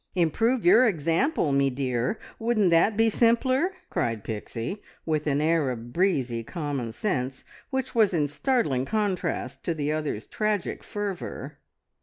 "Improve your example, me dear wouldn't that be simpler!" cried Pixie, with an air of breezy common sense which was in startling contrast to the other's tragic fervour.